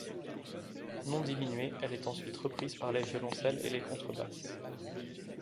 Non diminuée, elle est ensuite reprise par les violoncelles et les contrebasses.